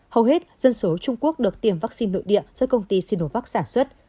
hầu hết dân số trung quốc được tiêm vaccine nội địa do công ty sinovac sản xuất